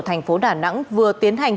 thành phố đà nẵng vừa tiến hành